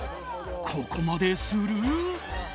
ここまでする？